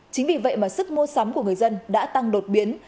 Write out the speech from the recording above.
chính vì vậy mà sức mua sắm của người dân đã tăng đột biến